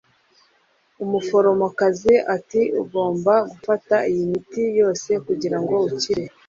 umuforomokazi ati ugomba gufata iyi miti yose kugirango ukire